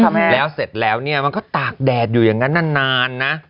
แล้วเสร็จแล้วเนี่ยมันก็ตากแดดอยู่อย่างนั้นนานนะ